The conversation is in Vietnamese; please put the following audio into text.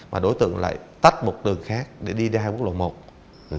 và đối tượng lại tách một đường khác để đi ra quốc lộ một